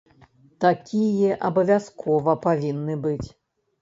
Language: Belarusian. Такія абавязкова павінны быць.